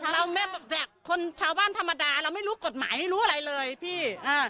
แม่แบบคนชาวบ้านธรรมดาเราไม่รู้กฎหมายไม่รู้อะไรเลยพี่